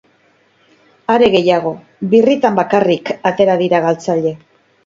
Are gehiago, birritan bakarrik atera dira galtzaile.